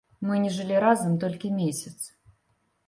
Мы не жылі разам толькі месяц.